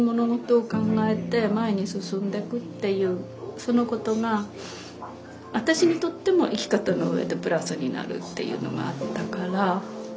そのことが私にとっても生き方の上でプラスになるっていうのがあったから。